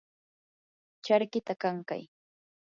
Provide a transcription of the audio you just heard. charkita kankay.